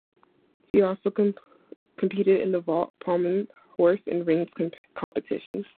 He also competed in the vault, pommel horse, and rings competitions.